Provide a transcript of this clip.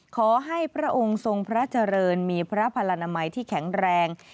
พระองค์ทรงพระเจริญมีพระพลนามัยที่แข็งแรง